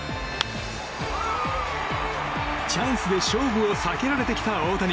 チャンスで勝負を避けられてきた大谷。